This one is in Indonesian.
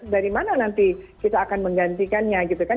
dari mana nanti kita akan menggantikannya gitu kan